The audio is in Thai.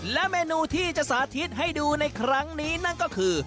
และเมนูที่จะสาธิตให้ดูในครั้งนี้นั่นก็คือ